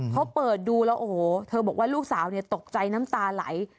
เขาเปิดดูแล้วโอ้โหเธอบอกว่าลูกสาวตกใจน้ำตาไหล